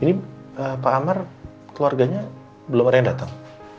ini pak amar keluarganya belum ada yang datang